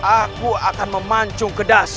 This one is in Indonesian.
aku akan memancung ke dalam